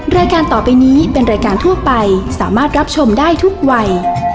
รายการต่อไปนี้เป็นรายการทั่วไปสามารถรับชมได้ทุกวัย